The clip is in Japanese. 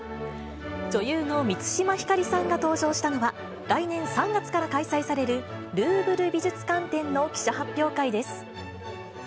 女優の満島ひかりさんが登場したのは、来年３月から開催されるルーヴル美術館展の記者発表会です。